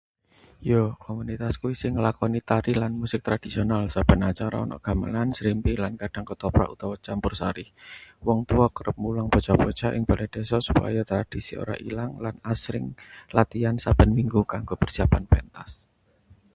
Ya, komunitasku isih ngelakoni tari lan musik tradhisional. Saben acara ana gamelan, srimpi, lan kadang ketoprak utawa campursari. Wong tuwa kerep mulang bocah-bocah ing balai desa supaya tradisi ora ilang, lan asring latihan saben minggu kanggo persiapan pentas.